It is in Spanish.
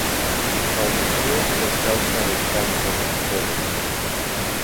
Falleció por causa de cáncer de colon.